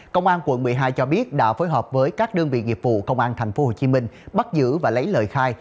công an quận một mươi hai cho biết đã phối hợp với các đơn vị nghiệp vụ công an tp hcm bắt giữ và lấy lời khai